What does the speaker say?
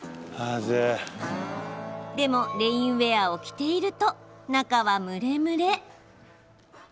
でも、レインウエアを着ていると中は蒸れ蒸れ。